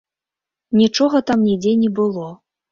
Нічога там нідзе не было.